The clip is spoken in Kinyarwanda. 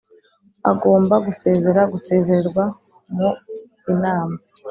Agomba gusezera gusezererwa mu inama